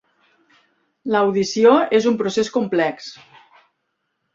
L'audició és un procés complex.